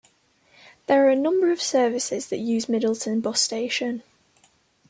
There are a number of services that use Middleton bus station.